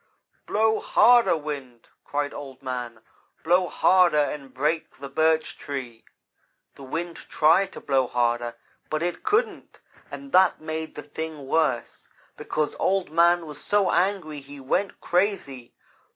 "'Blow harder, wind!' cried Old man, 'blow harder and break the Birch Tree.' The wind tried to blow harder, but it couldn't, and that made the thing worse, because Old man was so angry he went crazy.